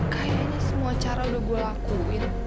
kayaknya semua cara udah gue lakuin